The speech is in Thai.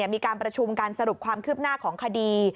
มีการประชุมการสรุปความคืบหน้าของคดี